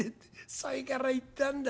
それから行ったんだ。